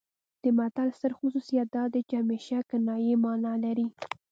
د متل ستر خصوصیت دا دی چې همیشه کنايي مانا لري